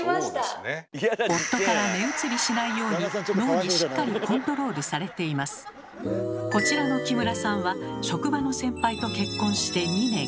夫から目移りしないようにこちらの木村さんは職場の先輩と結婚して２年。